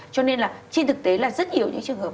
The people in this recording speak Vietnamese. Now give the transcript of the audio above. cho nên là trên thực tế là rất nhiều những trường hợp